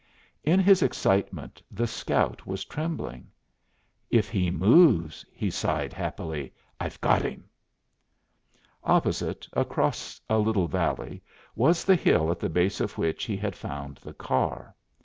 In his excitement the scout was trembling. "If he moves," he sighed happily, "I've got him!" Opposite, across a little valley was the hill at the base of which he had found the car.